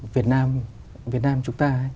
việt nam việt nam chúng ta